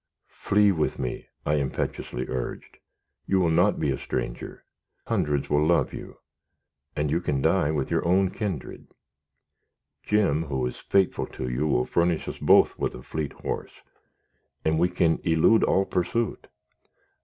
"Flee with me," I impetuously urged. "You will not be a stranger. Hundreds will love you, and you can die with your own kindred. Jim, who is faithful to you, will furnish us both with a fleet horse, and we can elude all pursuit.